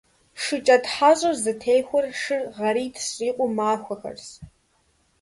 ШыкӀэтхьэщӀыр зытехуэр шыр гъэритӀ щрикъу махуэхэрщ.